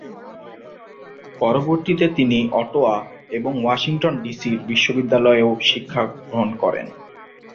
পরবর্তীতে, তিনি অটোয়া এবং ওয়াশিংটন ডিসির বিশ্ববিদ্যালয়েও শিক্ষাগ্রহণ করেন।